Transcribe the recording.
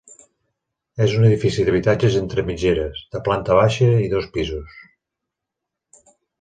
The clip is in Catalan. És un edifici d'habitatges entre mitgeres, de planta baixa i dos pisos.